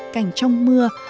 cảnh trong mưa